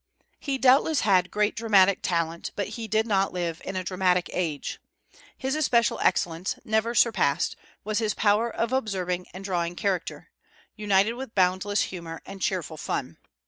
He doubtless had great dramatic talent, but he did not live in a dramatic age. His especial excellence, never surpassed, was his power of observing and drawing character, united with boundless humor and cheerful fun.